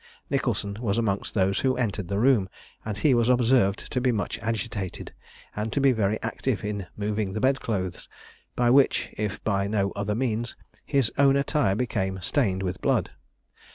Nicholson was amongst those who entered the room, and he was observed to be much agitated, and to be very active in moving the bed clothes, by which, if by no other means, his own attire became stained with blood.